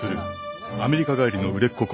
アメリカ帰りの売れっ子コンサル。